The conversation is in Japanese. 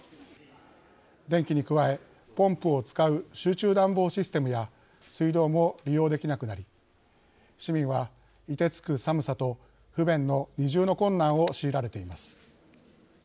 電気に加え、ポンプを使う集中暖房システムや水道も利用できなくなり市民は、いてつく寒さと不便の二重の困難を強いられています。